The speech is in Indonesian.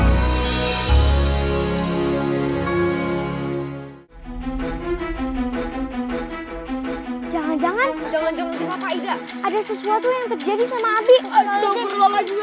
hai jangan jangan jangan jangan ada sesuatu yang terjadi sama abik